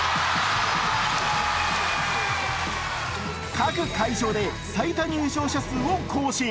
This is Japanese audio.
各会場で最多入場者数を更新。